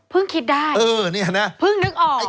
หึ้มนึกออก